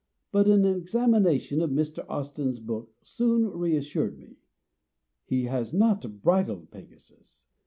But an examination of Mr. Austin's book soon reassured me. He has not bridled Pegasus.